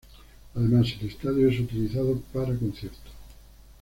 Además el estadio es utilizado para conciertos.